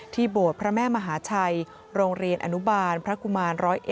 โบสถ์พระแม่มหาชัยโรงเรียนอนุบาลพระกุมาร๑๐๑